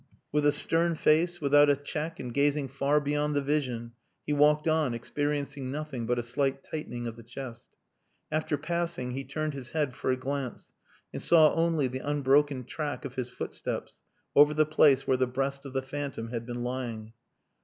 With a stern face, without a check and gazing far beyond the vision, he walked on, experiencing nothing but a slight tightening of the chest. After passing he turned his head for a glance, and saw only the unbroken track of his footsteps over the place where the breast of the phantom had been lying.